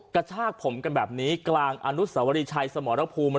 กระชากผมกันแบบนี้กลางอนุสวรีชัยสมรภูมิ